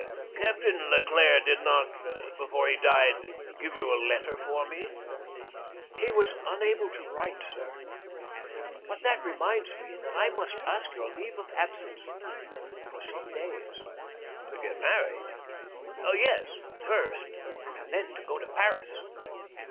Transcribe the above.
"Captain Leclere did not, before he died, give you a letter for me?" "He was unable to write, sir. But that reminds me that I must ask your leave of absence for some days." "To get married?" "Yes, first, and then to go to Paris."